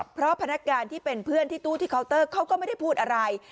เพราะพนักงานที่เป็นเพื่อนที่ตู้ที่เคาน์เตอร์เขาก็ไม่ได้พูดอะไร